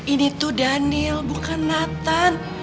ini tuh daniel bukan nathan